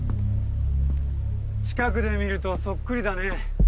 近くで見るとそっくりだね。